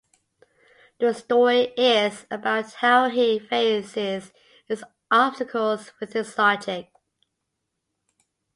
The story is about how he faces his obstacles with his logic.